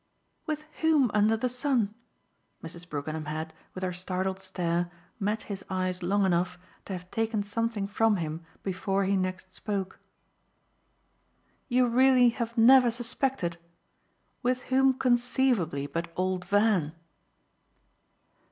"With whom under the sun?" Mrs. Brookenham had, with her startled stare, met his eyes long enough to have taken something from him before he next spoke. "You really have never suspected? With whom conceivably but old Van?"